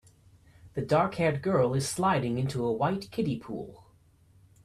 The darkhaired girl is sliding into a white kiddie pool.